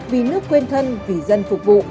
vì nước quên thân vì dân phục vụ